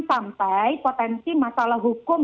sampai potensi masalah hukum